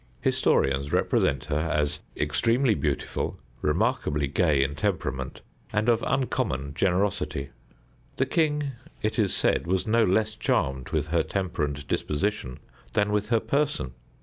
Historians represent her as extremely beautiful, remarkably gay in temperament, and of uncommon generosity. The king, it is said, was no less charmed with her temper and disposition than with her person.